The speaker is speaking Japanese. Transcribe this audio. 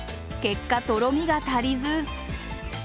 結果とろみが足りず。